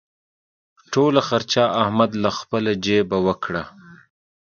ټوله خرچه احمد له خپلې جېبه وکړه.